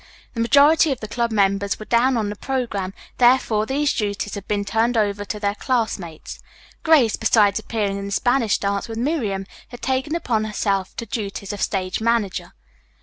The majority of the club members were down on the programme, therefore these duties had been turned over to their classmates. Grace, besides appearing in the Spanish dance with Miriam, had taken upon herself the duties of stage manager.